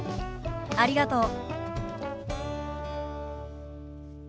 ありがとう。